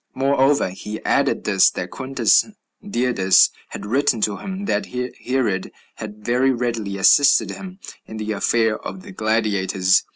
Moreover, he added this, that Quintus Didius had written to him that Herod had very readily assisted him in the affair of the gladiators.